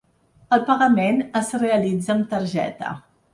El pagament es realitza amb tarjeta.